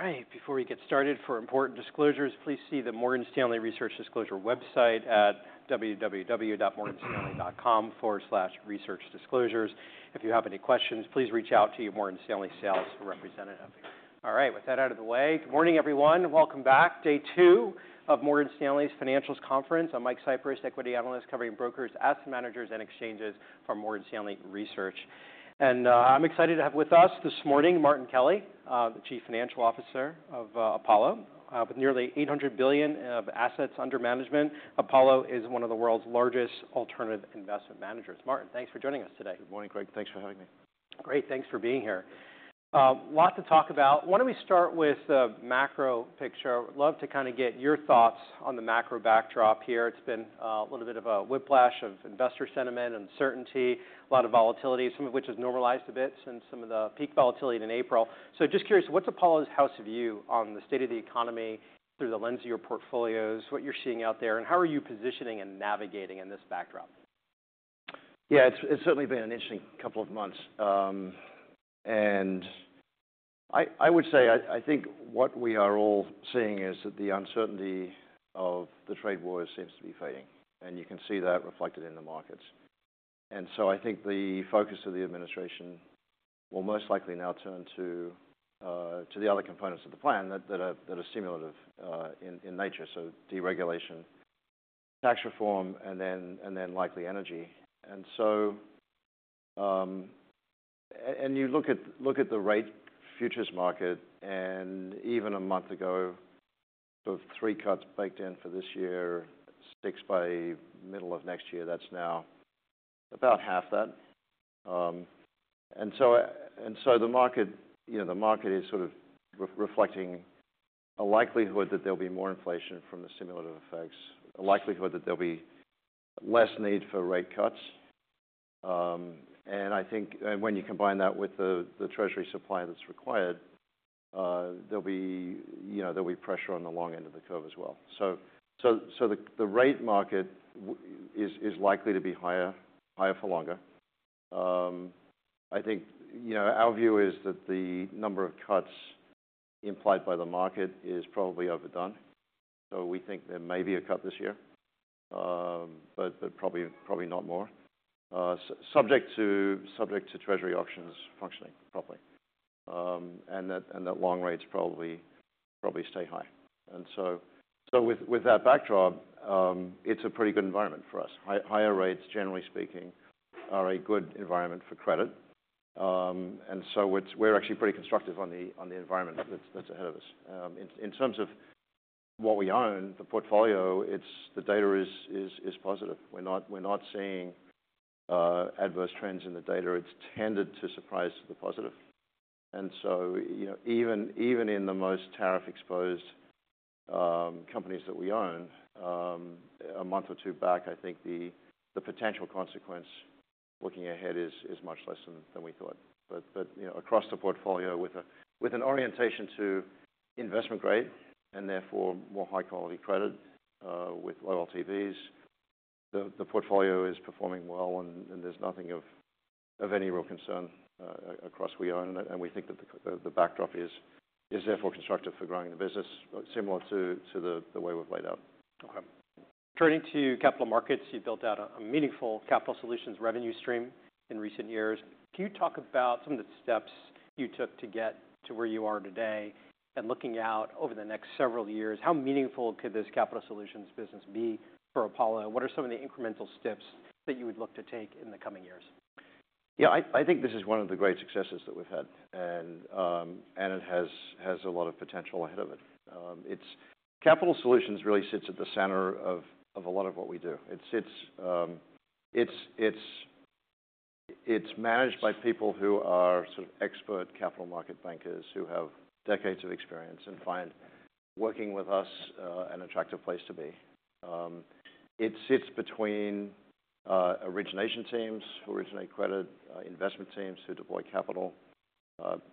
All right. Before we get started, for important disclosures, please see the Morgan Stanley Research Disclosure website at www.morganstanley.com/researchdisclosures. If you have any questions, please reach out to your Morgan Stanley sales representative. All right. With that out of the way, good morning, everyone. Welcome back. Day two of Morgan Stanley's Financials Conference. I'm Mike Cyprus, equity analyst covering brokers, asset managers, and exchanges from Morgan Stanley Research. I'm excited to have with us this morning Martin Kelly, the Chief Financial Officer of Apollo. With nearly $800 billion of assets under management, Apollo is one of the world's largest alternative investment managers. Martin, thanks for joining us today. Good morning, Greg. Thanks for having me. Great. Thanks for being here. A lot to talk about. Why don't we start with the macro picture? I'd love to kind of get your thoughts on the macro backdrop here. It's been a little bit of a whiplash of investor sentiment, uncertainty, a lot of volatility, some of which has normalized a bit since some of the peak volatility in April. Just curious, what's Apollo's house view on the state of the economy through the lens of your portfolios, what you're seeing out there, and how are you positioning and navigating in this backdrop? Yeah, it's certainly been an interesting couple of months. I would say I think what we are all seeing is that the uncertainty of the trade war seems to be fading. You can see that reflected in the markets. I think the focus of the administration will most likely now turn to the other components of the plan that are stimulative in nature: deregulation, tax reform, and then likely energy. You look at the rate futures market, and even a month ago, sort of three cuts baked in for this year, six by middle of next year, that's now about half that. The market is sort of reflecting a likelihood that there'll be more inflation from the stimulative effects, a likelihood that there'll be less need for rate cuts. I think when you combine that with the Treasury supply that's required, there'll be pressure on the long end of the curve as well. The rate market is likely to be higher for longer. I think our view is that the number of cuts implied by the market is probably overdone. We think there may be a cut this year, but probably not more, subject to Treasury auctions functioning properly. Long rates probably stay high. With that backdrop, it's a pretty good environment for us. Higher rates, generally speaking, are a good environment for credit. We're actually pretty constructive on the environment that's ahead of us. In terms of what we own, the portfolio, the data is positive. We're not seeing adverse trends in the data. It's tended to surprise to the positive. Even in the most tariff-exposed companies that we own, a month or two back, I think the potential consequence looking ahead is much less than we thought. Across the portfolio, with an orientation to investment grade and therefore more high-quality credit with lower LTVs, the portfolio is performing well, and there is nothing of any real concern across we own. We think that the backdrop is therefore constructive for growing the business, similar to the way we have laid out. Okay. Turning to capital markets, you've built out a meaningful capital solutions revenue stream in recent years. Can you talk about some of the steps you took to get to where you are today? Looking out over the next several years, how meaningful could this capital solutions business be for Apollo? What are some of the incremental steps that you would look to take in the coming years? Yeah, I think this is one of the great successes that we've had. It has a lot of potential ahead of it. Capital solutions really sits at the center of a lot of what we do. It's managed by people who are sort of expert capital market bankers who have decades of experience and find working with us an attractive place to be. It sits between origination teams who originate credit, investment teams who deploy capital,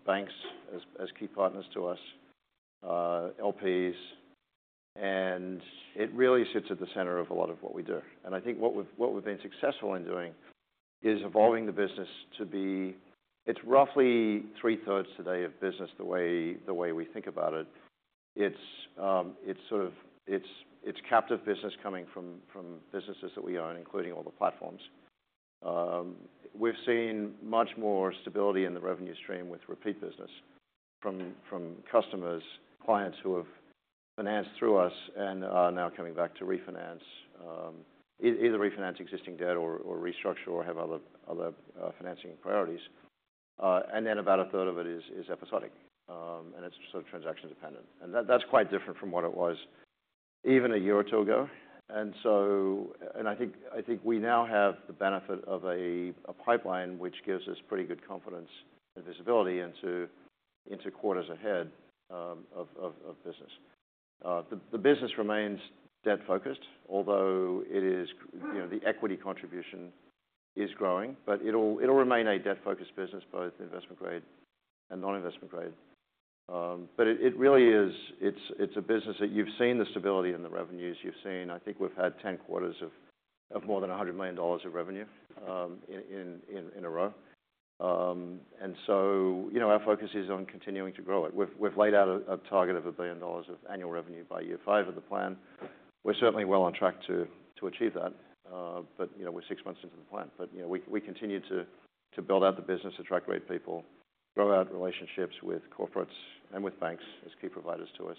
banks as key partners to us, LPs. It really sits at the center of a lot of what we do. I think what we've been successful in doing is evolving the business to be, it's roughly three-thirds today of business the way we think about it. It's sort of captive business coming from businesses that we own, including all the platforms. We've seen much more stability in the revenue stream with repeat business from customers, clients who have financed through us and are now coming back to refinance, either refinance existing debt or restructure or have other financing priorities. About a third of it is episodic, and it's sort of transaction-dependent. That is quite different from what it was even a year or two ago. I think we now have the benefit of a pipeline which gives us pretty good confidence and visibility into quarters ahead of business. The business remains debt-focused, although the equity contribution is growing. It'll remain a debt-focused business, both investment-grade and non-investment-grade. It really is, it's a business that you've seen the stability in the revenues. You've seen, I think we've had 10 quarters of more than $100 million of revenue in a row. Our focus is on continuing to grow it. We have laid out a target of $1 billion of annual revenue by year five of the plan. We are certainly well on track to achieve that. We are six months into the plan. We continue to build out the business, attract great people, grow out relationships with corporates and with banks as key providers to us.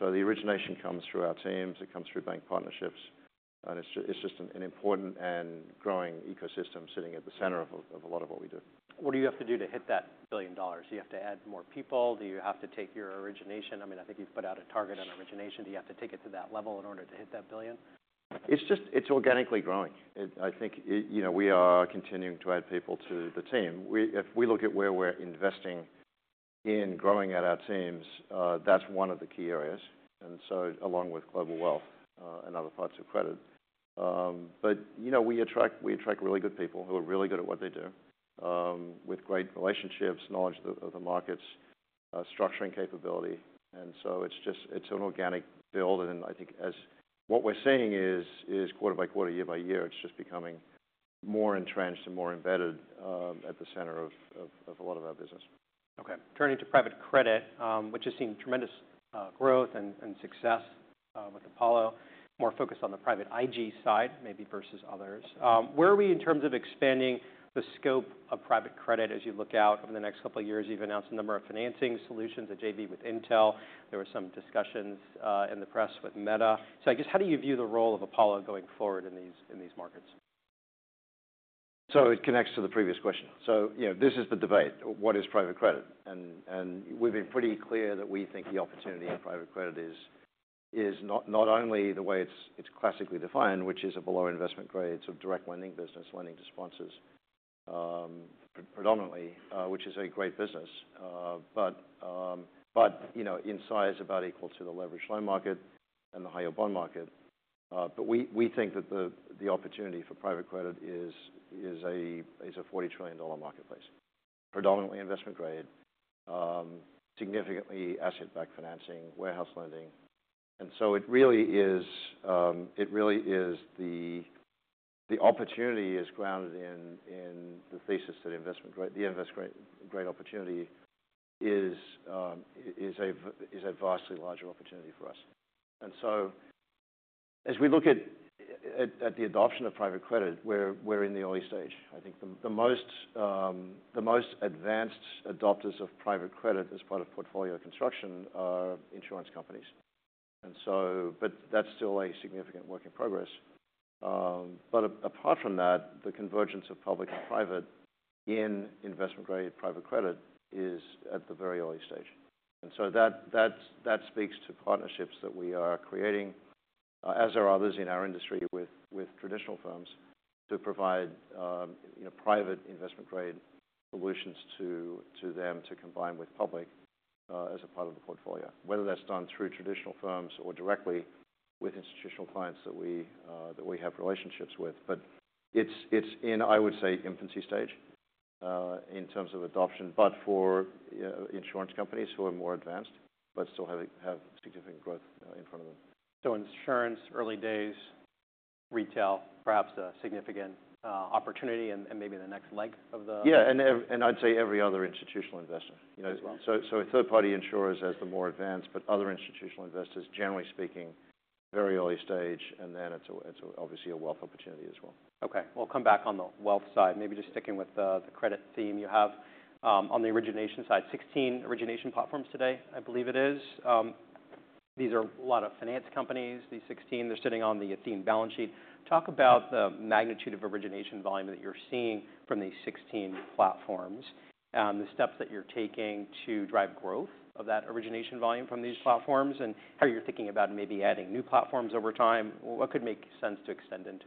The origination comes through our teams. It comes through bank partnerships. It is just an important and growing ecosystem sitting at the center of a lot of what we do. What do you have to do to hit that billion dollars? Do you have to add more people? Do you have to take your origination? I mean, I think you've put out a target on origination. Do you have to take it to that level in order to hit that billion? It's organically growing. I think we are continuing to add people to the team. If we look at where we're investing in growing at our teams, that's one of the key areas. Along with global wealth and other parts of credit, we attract really good people who are really good at what they do, with great relationships, knowledge of the markets, structuring capability. It's an organic build. I think what we're seeing is quarter by quarter, year by year, it's just becoming more entrenched and more embedded at the center of a lot of our business. Okay. Turning to private credit, which has seen tremendous growth and success with Apollo, more focused on the private IG side, maybe versus others. Where are we in terms of expanding the scope of private credit as you look out over the next couple of years? You have announced a number of financing solutions at JV with Intel. There were some discussions in the press with Meta. I guess, how do you view the role of Apollo going forward in these markets? It connects to the previous question. This is the debate. What is private credit? We have been pretty clear that we think the opportunity in private credit is not only the way it is classically defined, which is a below investment grade, sort of direct lending business, lending to sponsors predominantly, which is a great business, but in size about equal to the leveraged loan market and the high yield bond market. We think that the opportunity for private credit is a $40 trillion marketplace, predominantly investment grade, significantly asset-backed financing, warehouse lending. It really is the opportunity that is grounded in the thesis that the investment grade opportunity is a vastly larger opportunity for us. As we look at the adoption of private credit, we are in the early stage. I think the most advanced adopters of private credit as part of portfolio construction are insurance companies. That is still a significant work in progress. Apart from that, the convergence of public and private in investment-grade private credit is at the very early stage. That speaks to partnerships that we are creating, as are others in our industry with traditional firms, to provide private investment-grade solutions to them to combine with public as a part of the portfolio, whether that is done through traditional firms or directly with institutional clients that we have relationships with. It is in, I would say, infancy stage in terms of adoption, for insurance companies who are more advanced, but still have significant growth in front of them. Insurance, early days, retail, perhaps a significant opportunity and maybe the next leg of the. Yeah. I'd say every other institutional investor, so third-party insurers as the more advanced, but other institutional investors, generally speaking, very early stage. It's obviously a wealth opportunity as well. Okay. We'll come back on the wealth side, maybe just sticking with the credit theme you have. On the origination side, 16 origination platforms today, I believe it is. These are a lot of finance companies, these 16. They're sitting on the 16 balance sheet. Talk about the magnitude of origination volume that you're seeing from these 16 platforms, the steps that you're taking to drive growth of that origination volume from these platforms, and how you're thinking about maybe adding new platforms over time. What could make sense to extend into?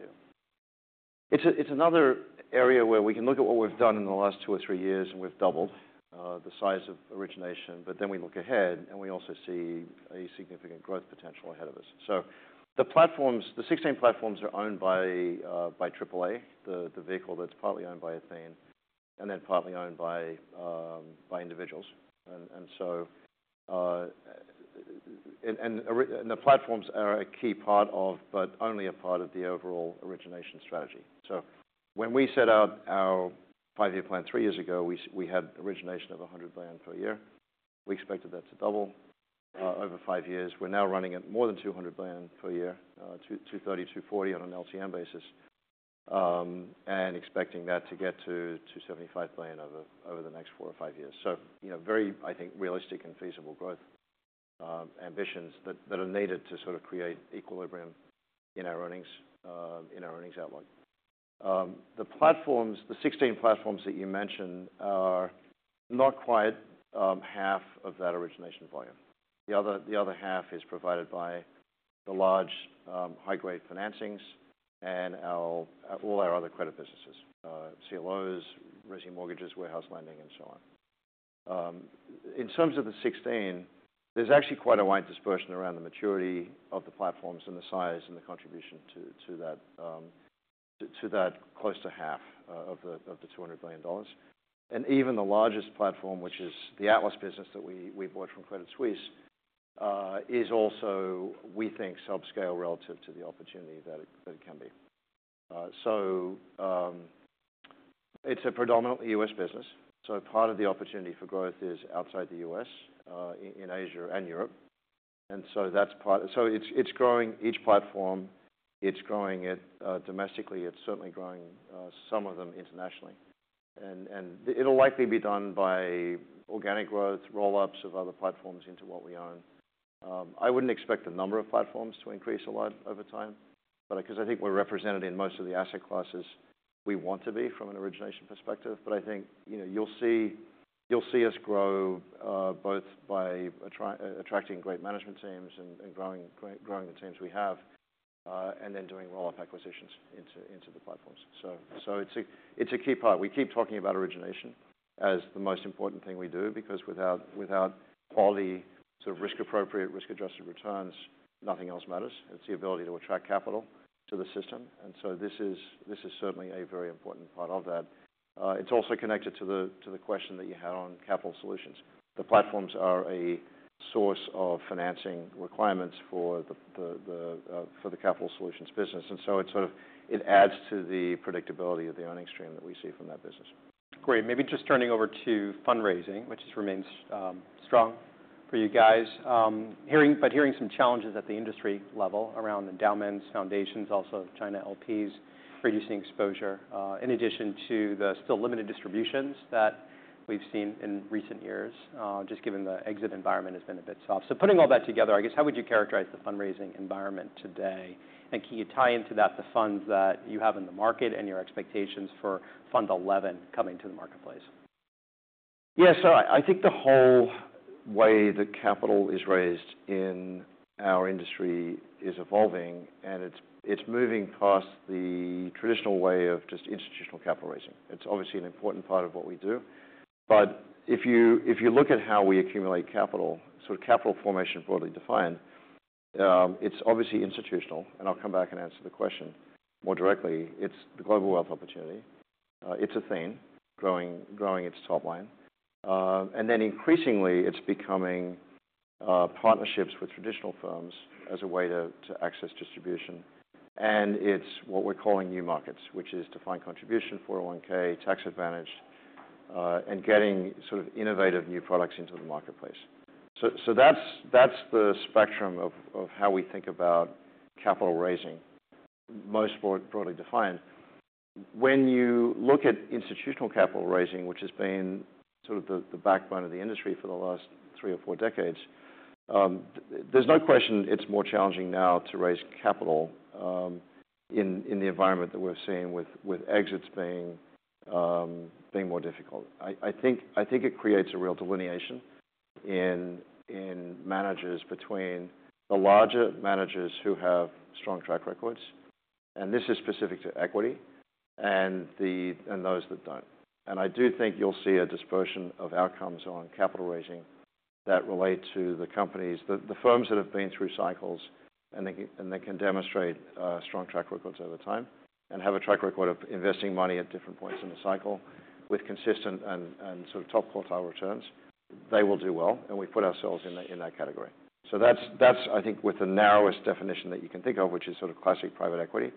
It's another area where we can look at what we've done in the last two or three years, and we've doubled the size of origination. We look ahead, and we also see a significant growth potential ahead of us. The 16 platforms are owned by AAA, the vehicle that's partly owned by Athene, and then partly owned by individuals. The platforms are a key part of, but only a part of, the overall origination strategy. When we set out our five-year plan three years ago, we had origination of $100 billion per year. We expected that to double over five years. We're now running at more than $200 billion per year, $230 billion, $240 billion on an LTM basis, and expecting that to get to $275 billion over the next four or five years. Very, I think, realistic and feasible growth ambitions that are needed to sort of create equilibrium in our earnings outlook. The 16 platforms that you mentioned are not quite half of that origination volume. The other half is provided by the large high-grade financings and all our other credit businesses: CLOs, risky mortgages, warehouse lending, and so on. In terms of the 16, there is actually quite a wide dispersion around the maturity of the platforms and the size and the contribution to that close to half of the $200 billion. Even the largest platform, which is the Atlas business that we bought from Credit Suisse, is also, we think, subscale relative to the opportunity that it can be. It is a predominantly U.S. business. Part of the opportunity for growth is outside the U.S., in Asia and Europe. It is growing each platform. It is growing domestically. It's certainly growing some of them internationally. It'll likely be done by organic growth, roll-ups of other platforms into what we own. I wouldn't expect the number of platforms to increase a lot over time, because I think we're represented in most of the asset classes we want to be from an origination perspective. I think you'll see us grow both by attracting great management teams and growing the teams we have, and then doing roll-up acquisitions into the platforms. It's a key part. We keep talking about origination as the most important thing we do, because without quality, sort of risk-appropriate, risk-adjusted returns, nothing else matters. It's the ability to attract capital to the system. This is certainly a very important part of that. It's also connected to the question that you had on capital solutions. The platforms are a source of financing requirements for the capital solutions business. It sort of adds to the predictability of the earnings stream that we see from that business. Great. Maybe just turning over to fundraising, which remains strong for you guys. Hearing some challenges at the industry level around endowments, foundations, also China LPs, reducing exposure, in addition to the still limited distributions that we've seen in recent years, just given the exit environment has been a bit soft. Putting all that together, I guess, how would you characterize the fundraising environment today? Can you tie into that the funds that you have in the market and your expectations for fund 11 coming to the marketplace? Yeah. I think the whole way that capital is raised in our industry is evolving, and it's moving past the traditional way of just institutional capital raising. It's obviously an important part of what we do. If you look at how we accumulate capital, sort of capital formation broadly defined, it's obviously institutional. I'll come back and answer the question more directly. It's the global wealth opportunity. It's Athene growing its top line. Increasingly, it's becoming partnerships with traditional firms as a way to access distribution. It's what we're calling new markets, which is defined contribution, 401(k), tax advantage, and getting sort of innovative new products into the marketplace. That's the spectrum of how we think about capital raising most broadly defined. When you look at institutional capital raising, which has been sort of the backbone of the industry for the last three or four decades, there's no question it's more challenging now to raise capital in the environment that we're seeing with exits being more difficult. I think it creates a real delineation in managers between the larger managers who have strong track records, and this is specific to equity, and those that don't. I do think you'll see a dispersion of outcomes on capital raising that relate to the firms that have been through cycles and that can demonstrate strong track records over time and have a track record of investing money at different points in the cycle with consistent and sort of top quartile returns. They will do well. We put ourselves in that category. That's, I think, with the narrowest definition that you can think of, which is sort of classic private equity.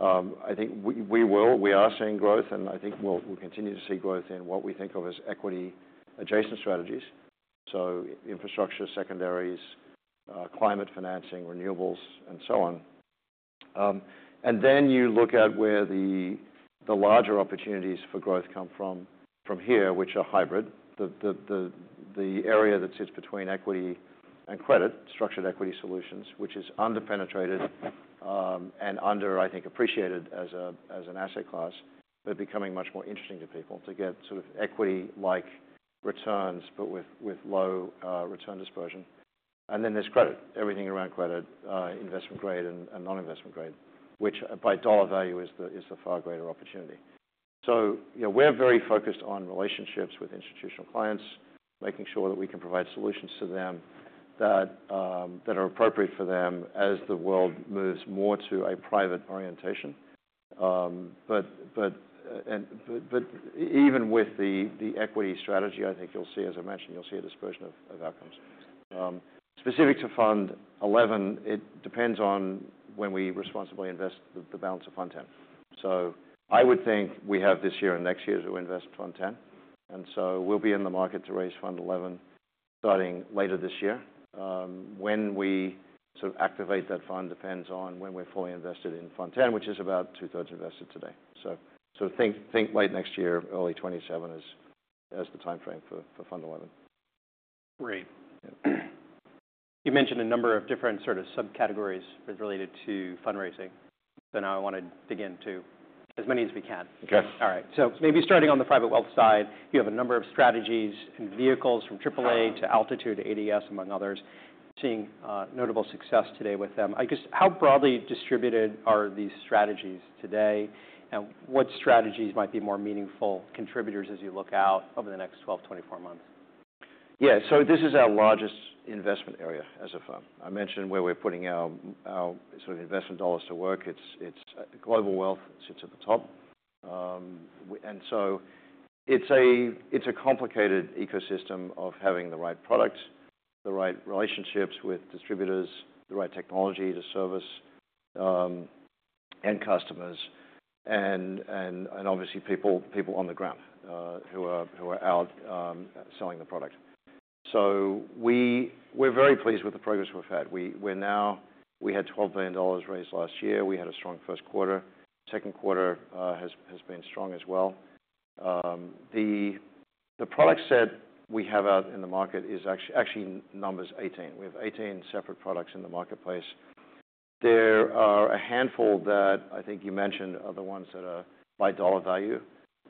I think we will, we are seeing growth. I think we'll continue to see growth in what we think of as equity-adjacent strategies. Infrastructure, secondaries, climate financing, renewables, and so on. You look at where the larger opportunities for growth come from here, which are hybrid. The area that sits between equity and credit, structured equity solutions, which is under-penetrated and under, I think, appreciated as an asset class, but becoming much more interesting to people to get sort of equity-like returns, but with low return dispersion. There's credit, everything around credit, investment grade and non-investment grade, which by dollar value is the far greater opportunity. We're very focused on relationships with institutional clients, making sure that we can provide solutions to them that are appropriate for them as the world moves more to a private orientation. Even with the equity strategy, I think you'll see, as I mentioned, you'll see a dispersion of outcomes. Specific to fund 11, it depends on when we responsibly invest the balance of fund 10. I would think we have this year and next year to invest fund 10. We'll be in the market to raise fund 11 starting later this year. When we sort of activate that fund depends on when we're fully invested in fund 10, which is about two-thirds invested today. Think late next year, early 2027 as the time frame for fund 11. Great. You mentioned a number of different sort of subcategories related to fundraising. I want to dig into as many as we can. Okay. All right. Maybe starting on the private wealth side, you have a number of strategies and vehicles from AAA to Altitude to ADS, among others, seeing notable success today with them. I guess, how broadly distributed are these strategies today? What strategies might be more meaningful contributors as you look out over the next 12, 24 months? Yeah. This is our largest investment area as a firm. I mentioned where we're putting our sort of investment dollars to work. Global wealth sits at the top. It is a complicated ecosystem of having the right products, the right relationships with distributors, the right technology to service end customers, and obviously people on the ground who are out selling the product. We are very pleased with the progress we have had. We had $12 billion raised last year. We had a strong first quarter. Second quarter has been strong as well. The product set we have out in the market is actually 18. We have 18 separate products in the marketplace. There are a handful that I think you mentioned are the ones that are by dollar value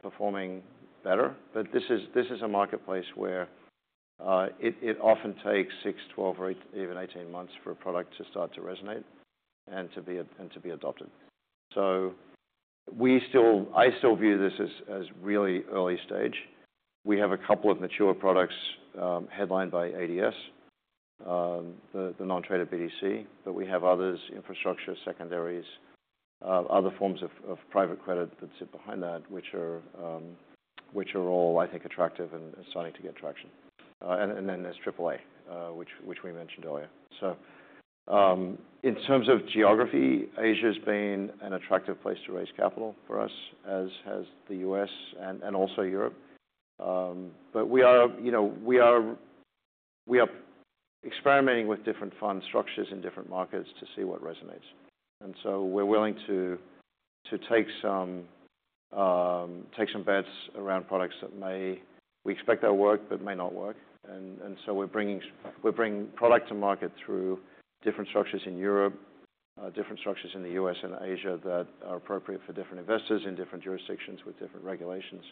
performing better. This is a marketplace where it often takes 6, 12, or even 18 months for a product to start to resonate and to be adopted. I still view this as really early stage. We have a couple of mature products headlined by ADS, the non-traded BDC. We have others, infrastructure, secondaries, other forms of private credit that sit behind that, which are all, I think, attractive and starting to get traction. There is AAA, which we mentioned earlier. In terms of geography, Asia has been an attractive place to raise capital for us, as has the US and also Europe. We are experimenting with different fund structures in different markets to see what resonates. We are willing to take some bets around products that we expect that work but may not work. We're bringing product to market through different structures in Europe, different structures in the U.S. and Asia that are appropriate for different investors in different jurisdictions with different regulations.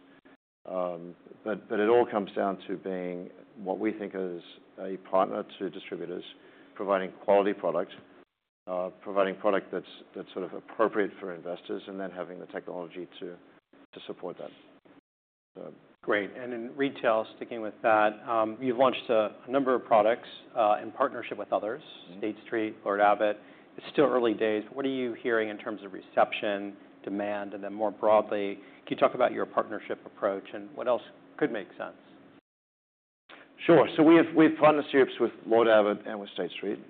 It all comescomescomescomescomescomescomescomes down to being what we think is a partner to distributors, providing quality products, providing product that's sort of appropriate for investors, and then having the technology to support that. Great. In retail, sticking with that, you've launched a number of products in partnership with others, State Street, Lord Abbett. It's still early days. What are you hearing in terms of reception, demand, and then more broadly? Can you talk about your partnership approach and what else could make sense? Sure. We have partnerships with Lord Abbett and with State Street.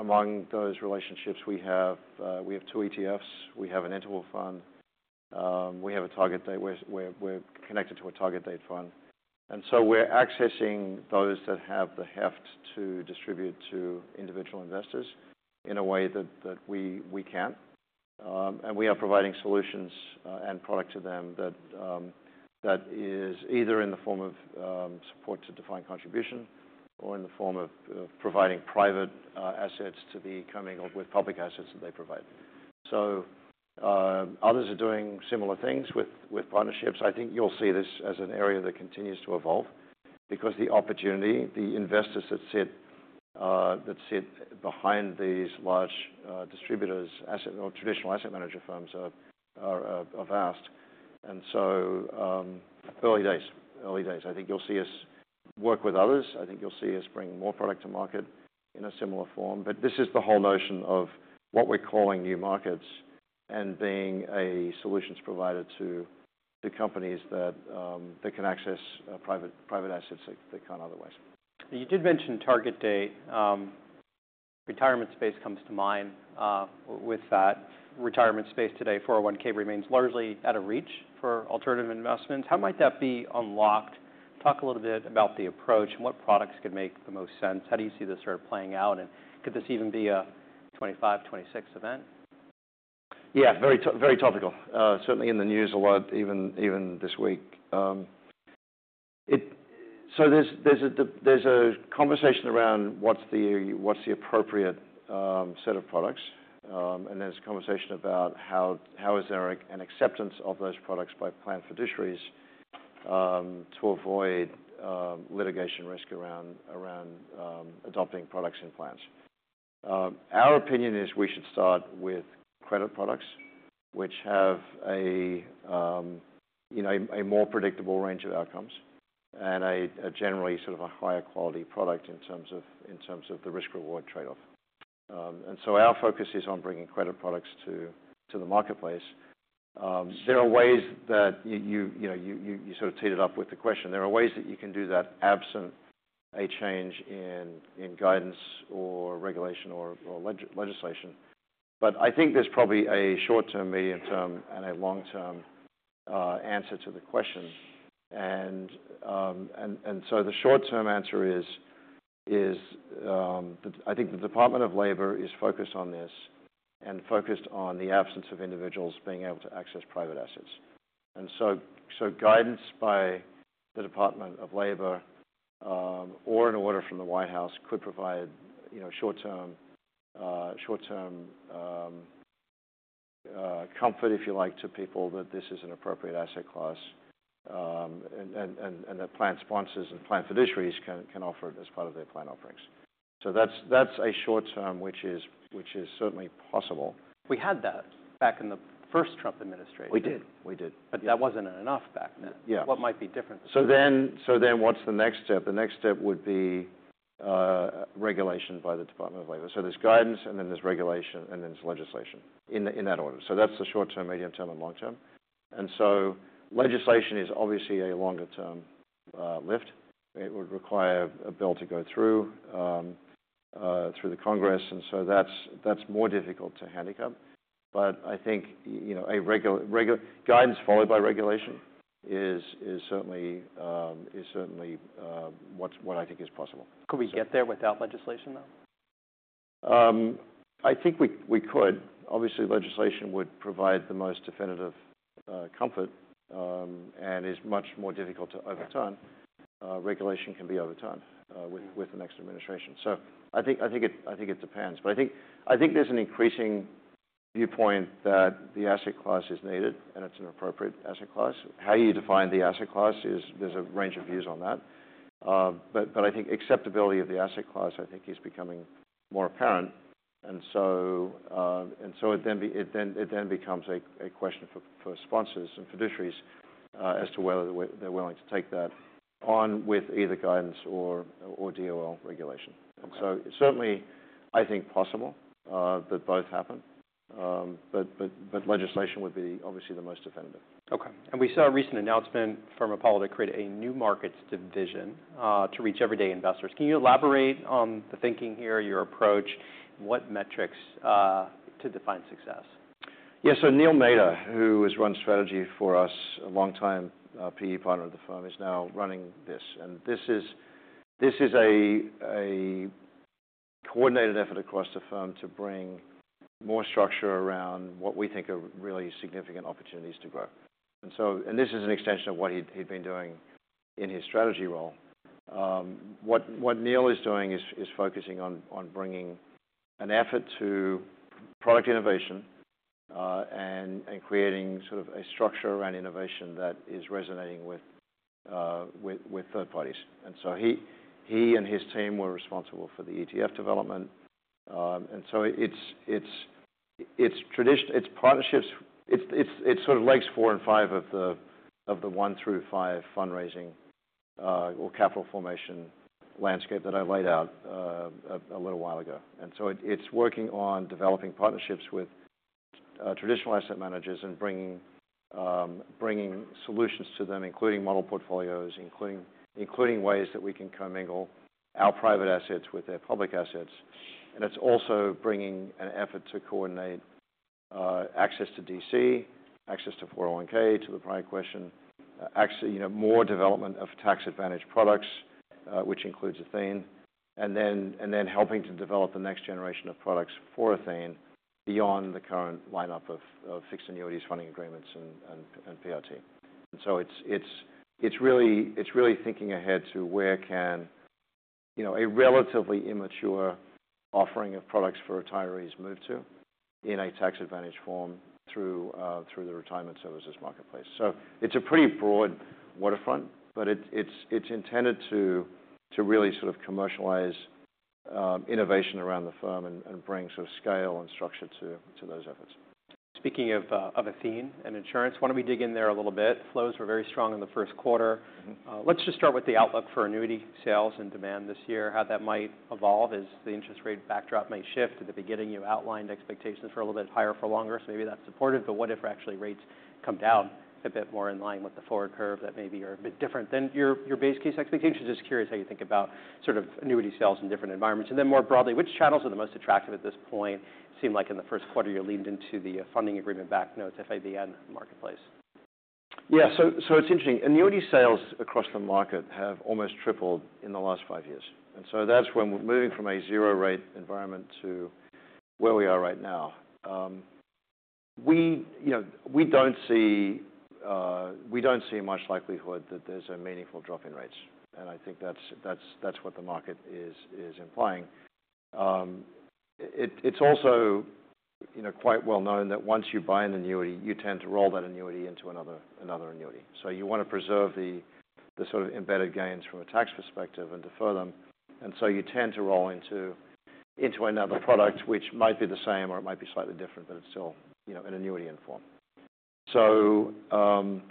Among those relationships, we have two ETFs. We have an interval fund. We have a target date. We are connected to a target date fund. We are accessing those that have the heft to distribute to individual investors in a way that we can. We are providing solutions and product to them that is either in the form of support to defined contribution or in the form of providing private assets to the coming with public assets that they provide. Others are doing similar things with partnerships. I think you'll see this as an area that continues to evolve, because the opportunity, the investors that sit behind these large distributors, traditional asset manager firms, are vast. Early days, early days. I think you'll see us work with others. I think you'll see us bring more product to market in a similar form. This is the whole notion of what we're calling new markets and being a solutions provider to companies that can access private assets that can't otherwise. You did mention target date. Retirement space comes to mind with that. Retirement space today, 401(k) remains largely out of reach for alternative investments. How might that be unlocked? Talk a little bit about the approach and what products could make the most sense. How do you see this sort of playing out? Could this even be a 2025, 2026 event? Yeah. Very topical. Certainly in the news a lot even this week. There is a conversation around what's the appropriate set of products. There is a conversation about how is there an acceptance of those products by plan fiduciaries to avoid litigation risk around adopting products in plans. Our opinion is we should start with credit products, which have a more predictable range of outcomes and a generally sort of a higher quality product in terms of the risk-reward trade-off. Our focus is on bringing credit products to the marketplace. There are ways that you sort of teed it up with the question. There are ways that you can do that absent a change in guidance or regulation or legislation. I think there is probably a short-term, medium-term, and a long-term answer to the question. The short-term answer is I think the Department of Labor is focused on this and focused on the absence of individuals being able to access private assets. Guidance by the Department of Labor or an order from the White House could provide short-term comfort, if you like, to people that this is an appropriate asset class and that plan sponsors and plan fiduciaries can offer it as part of their plan offerings. That is a short-term, which is certainly possible. We had that back in the first Trump administration. We did. That was not enough back then. What might be different? Then what's the next step? The next step would be regulation by the Department of Labor. There's guidance, and then there's regulation, and then there's legislation in that order. That's the short-term, medium-term, and long-term. Legislation is obviously a longer-term lift. It would require a bill to go through the Congress. That's more difficult to handicap. I think guidance followed by regulation is certainly what I think is possible. Could we get there without legislation, though? I think we could. Obviously, legislation would provide the most definitive comfort and is much more difficult to overturn. Regulation can be overturned with the next administration. I think it depends. I think there is an increasing viewpoint that the asset class is needed and it is an appropriate asset class. How you define the asset class is, there is a range of views on that. I think acceptability of the asset class, I think, is becoming more apparent. It then becomes a question for sponsors and fiduciaries as to whether they are willing to take that on with either guidance or DOL regulation. Certainly, I think possible that both happen. Legislation would be obviously the most definitive. Okay. We saw a recent announcement from Apollo that created a new markets division to reach everyday investors. Can you elaborate on the thinking here, your approach, what metrics to define success? Yeah. Neil Mehta, who has run strategy for us, a longtime PE partner of the firm, is now running this. This is a coordinated effort across the firm to bring more structure around what we think are really significant opportunities to grow. This is an extension of what he'd been doing in his strategy role. What Neil is doing is focusing on bringing an effort to product innovation and creating sort of a structure around innovation that is resonating with third parties. He and his team were responsible for the ETF development. It's partnerships. It's sort of legs four and five of the one through five fundraising or capital formation landscape that I laid out a little while ago. It is working on developing partnerships with traditional asset managers and bringing solutions to them, including model portfolios, including ways that we can commingle our private assets with their public assets. It is also bringing an effort to coordinate access to DC, access to 401(k), to the prior question, more development of tax-advantaged products, which includes Athene, and then helping to develop the next generation of products for Athene beyond the current lineup of fixed annuities, funding agreements, and PRT. It is really thinking ahead to where can a relatively immature offering of products for retirees move to in a tax-advantaged form through the retirement services marketplace. It is a pretty broad waterfront. It is intended to really sort of commercialize innovation around the firm and bring sort of scale and structure to those efforts. Speaking of Athene and insurance, why don't we dig in there a little bit? Flows were very strong in the first quarter. Let's just start with the outlook for annuity sales and demand this year, how that might evolve as the interest rate backdrop may shift. At the beginning, you outlined expectations for a little bit higher for longer. Maybe that's supportive. What if actually rates come down a bit more in line with the forward curve that maybe are a bit different than your base case expectations? Just curious how you think about sort of annuity sales in different environments. More broadly, which channels are the most attractive at this point? Seemed like in the first quarter you leaned into the funding agreement backed notes, FIBN marketplace. Yeah. It's interesting. Annuity sales across the market have almost tripled in the last five years. That's when we're moving from a zero-rate environment to where we are right now. We don't see much likelihood that there's a meaningful drop in rates. I think that's what the market is implying. It's also quite well known that once you buy an annuity, you tend to roll that annuity into another annuity. You want to preserve the sort of embedded gains from a tax perspective and defer them. You tend to roll into another product, which might be the same or it might be slightly different, but it's still an annuity in form. Athene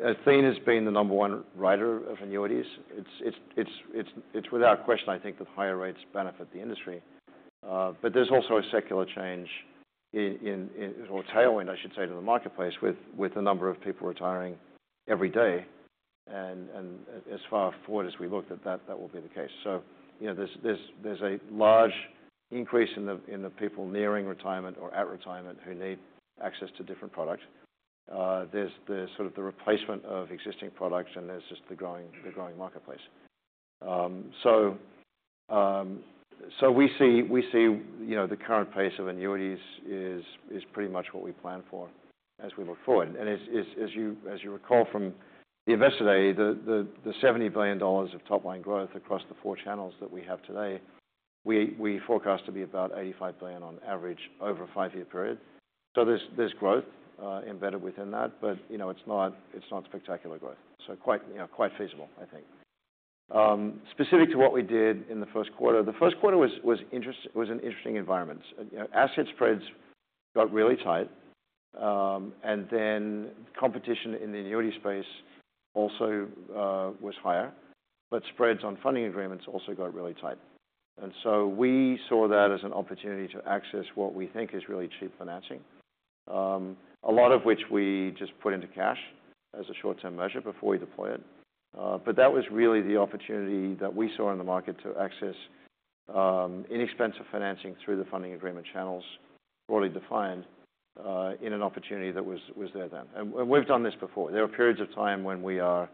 has been the number one writer of annuities. It's without question, I think, that higher rates benefit the industry. There is also a secular change or tailwind, I should say, to the marketplace with the number of people retiring every day. As far forward as we looked at that, that will be the case. There is a large increase in the people nearing retirement or at retirement who need access to different products. There is sort of the replacement of existing products, and there is just the growing marketplace. We see the current pace of annuities is pretty much what we plan for as we look forward. As you recall from the investor day, the $70 billion of top-line growth across the four channels that we have today, we forecast to be about $85 billion on average over a five-year period. There is growth embedded within that. It is not spectacular growth. Quite feasible, I think. Specific to what we did in the first quarter, the first quarter was an interesting environment. Asset spreads got really tight. Competition in the annuity space also was higher. Spreads on funding agreements also got really tight. We saw that as an opportunity to access what we think is really cheap financing, a lot of which we just put into cash as a short-term measure before we deploy it. That was really the opportunity that we saw in the market to access inexpensive financing through the funding agreement channels broadly defined in an opportunity that was there then. We have done this before. There are periods of time when we are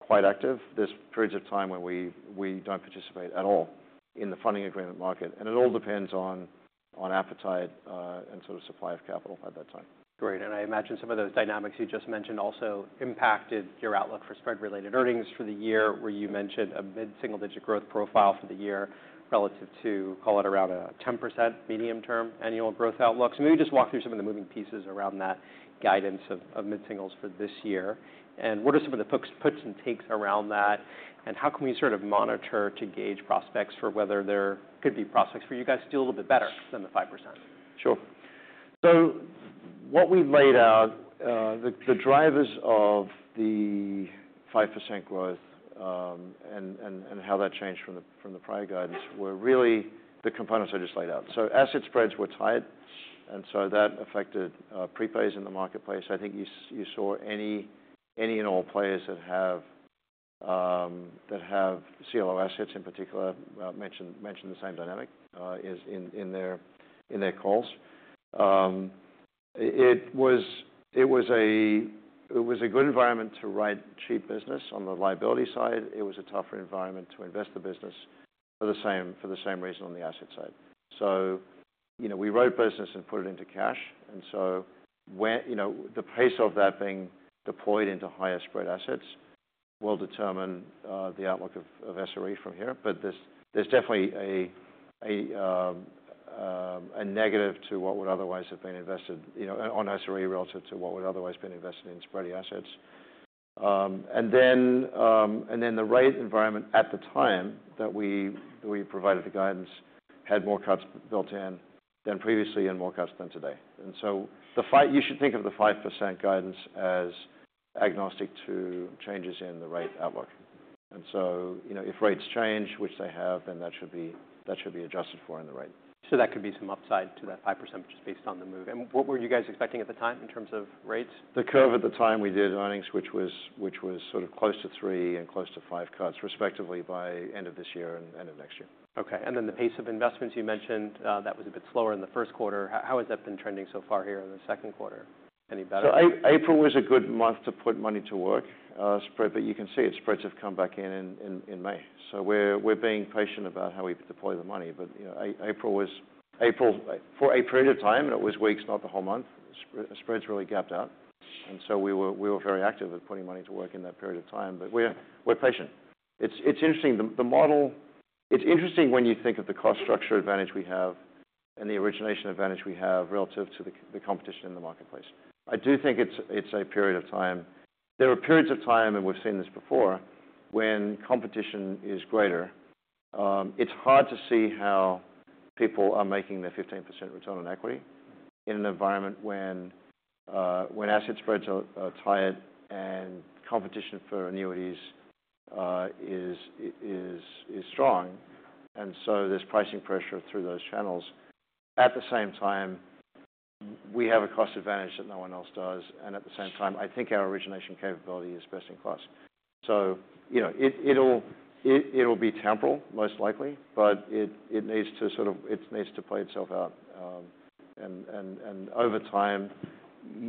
quite active. There are periods of time when we do not participate at all in the funding agreement market. It all depends on appetite and sort of supply of capital at that time. Great. I imagine some of those dynamics you just mentioned also impacted your outlook for spread-related earnings for the year, where you mentioned a mid-single-digit growth profile for the year relative to, call it, around a 10% medium-term annual growth outlook. Maybe just walk through some of the moving pieces around that guidance of mid-singles for this year. What are some of the puts and takes around that? How can we sort of monitor to gauge prospects for whether there could be prospects for you guys to do a little bit better than the 5%? Sure. What we laid out, the drivers of the 5% growth and how that changed from the prior guidance were really the components I just laid out. Asset spreads were tight. That affected prepays in the marketplace. I think you saw any and all players that have CLO assets in particular mention the same dynamic in their calls. It was a good environment to write cheap business on the liability side. It was a tougher environment to invest the business for the same reason on the asset side. We wrote business and put it into cash. The pace of that being deployed into higher spread assets will determine the outlook of SRE from here. There is definitely a negative to what would otherwise have been invested on SRE relative to what would otherwise have been invested in spready assets. The rate environment at the time that we provided the guidance had more cuts built in than previously and more cuts than today. You should think of the 5% guidance as agnostic to changes in the rate outlook. If rates change, which they have, then that should be adjusted for in the rate. That could be some upside to that 5% just based on the move. What were you guys expecting at the time in terms of rates? The curve at the time we did earnings, which was sort of close to three and close to five cuts, respectively, by end of this year and end of next year. Okay. The pace of investments you mentioned, that was a bit slower in the first quarter. How has that been trending so far here in the second quarter? Any better? April was a good month to put money to work. You can see its spreads have come back in in May. We are being patient about how we deploy the money. April, for a period of time, and it was weeks, not the whole month, spreads really gapped out. We were very active at putting money to work in that period of time. We are patient. It is interesting when you think of the cost structure advantage we have and the origination advantage we have relative to the competition in the marketplace. I do think it is a period of time. There are periods of time, and we have seen this before, when competition is greater. It is hard to see how people are making their 15% return on equity in an environment when asset spreads are tight and competition for annuities is strong. There is pricing pressure through those channels. At the same time, we have a cost advantage that no one else does. At the same time, I think our origination capability is best in class. It will be temporal, most likely. It needs to sort of play itself out. Over time,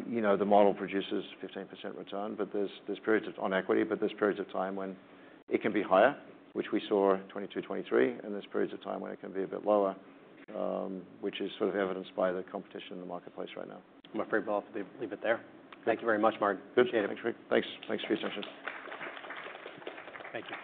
the model produces 15% return. There are periods on equity. There are periods of time when it can be higher, which we saw in 2022 and 2023. There are periods of time when it can be a bit lower, which is sort of evidenced by the competition in the marketplace right now. I'm afraid we'll have to leave it there. Thank you very much, Marc. Good. Thnks. Thanks for your attention. Thank you.